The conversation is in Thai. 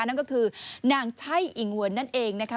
นั่นก็คือนางใช่อิงเวิร์นนั่นเองนะคะ